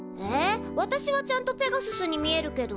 わたしはちゃんとペガススに見えるけど？